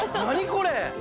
これ。